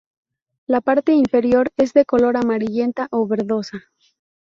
La parte inferior es de color amarillenta o verdosa.